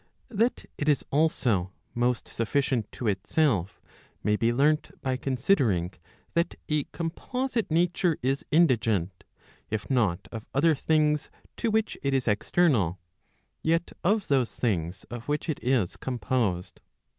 That it is also most sufficient to itself, may be learnt by consi¬ dering that a composite nature is indigent, if not of other things to which it is external, yet of those things of which it is composed.